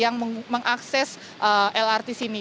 untuk mengakses lrt sini